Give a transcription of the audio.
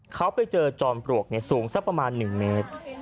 เขาไปเจอจอมปลวกสูงสักประมาณ๑เมตร